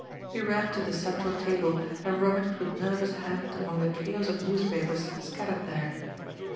He ran to the central table and rummaged with nervous hand among the chaos of newspapers scattered there.